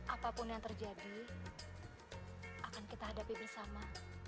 apapun yang terjadi akan kita hadapi bersama